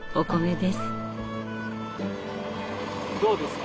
どうですか？